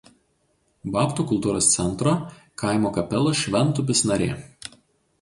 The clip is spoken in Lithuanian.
Babtų kultūros centro kaimo kapelos „Šventupis“ narė.